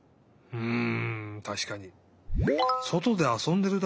うん。